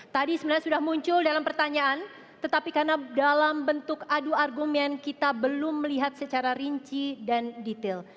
tadi sebenarnya sudah muncul dalam pertanyaan tetapi karena dalam bentuk adu argumen kita belum melihat secara rinci dan detail